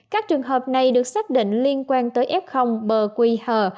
các trường hợp này được xác định liên quan tới f bờ quy hờ